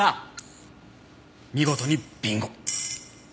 見事にビンゴ。